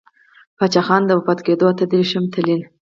پــاچــاخــان د وفــات کـېـدو اته درېرشم تـلـيـن.